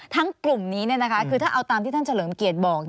กลุ่มนี้คือถ้าเอาตามที่ท่านเฉลิมเกียรติบอก